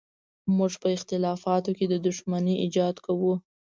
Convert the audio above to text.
موږ په اختلافاتو کې د دښمنۍ ایجاد کوو.